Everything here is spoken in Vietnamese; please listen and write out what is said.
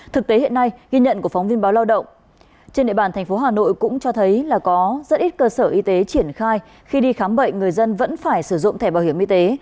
thực tế hiện nay ghi nhận của phóng viên báo lao động trên địa bàn thành phố hà nội cũng cho thấy là có rất ít cơ sở y tế triển khai khi đi khám bệnh người dân vẫn phải sử dụng thẻ bảo hiểm y tế